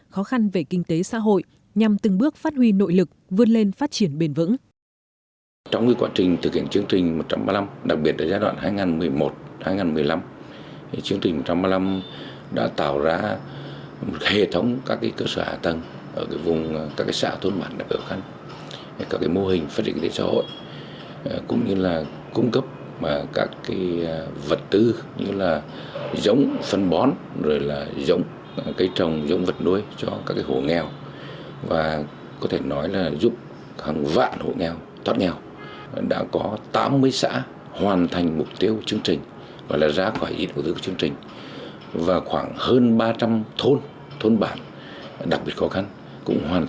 khó khăn về kinh tế xã hội nhằm từng bước phát huy nội lực vươn lên phát triển bền vững